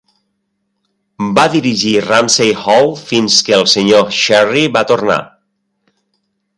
Va dirigir Rumsey Hall fins que el Sr Sherry va tornar.